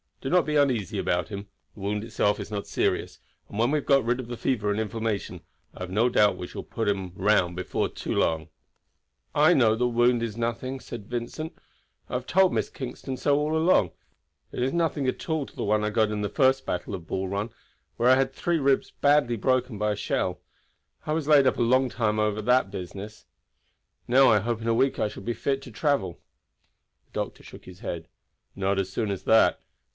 Do not be uneasy about him; the wound itself is not serious, and when we have got rid of the fever and inflammation I have no doubt we shall pull him round before long." "I know the wound is nothing," Vincent said; "I have told Miss Kingston so all along. It is nothing at all to one I got at the first battle of Bull Run, where I had three ribs badly broken by a shell. I was laid up a long time over that business. Now I hope in a week I shall be fit to travel." The doctor shook his head. "Not as soon as that.